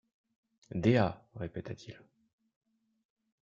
Dea! répéta-t-il.